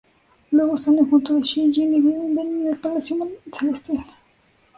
Luego salen juntos de Shi Jing y viven en el palacio celestial.